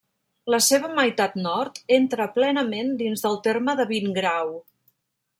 La seva meitat nord entra plenament dins del terme de Vingrau.